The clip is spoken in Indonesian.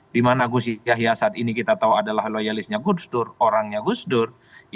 dimana gus yahya saat ini kita tahu adalah loyalisnya gus dur orangnya gus dur